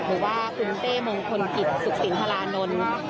เปลี่ยนว่าคุณเต้มงคลกิจศกศิลปรานลน